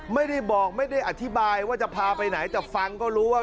ไม่ได้บอกไม่ได้อธิบายว่าจะพาไปไหนแต่ฟังก็รู้ว่า